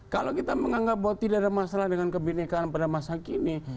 kalau kita menganggap bahwa tidak ada masalah dengan kebenekaan pada masa kini